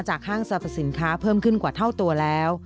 ห้างสรรพสินค้าเพิ่มขึ้นกว่าเท่าตัวแล้ว